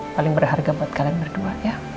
paling berharga buat kalian berdua ya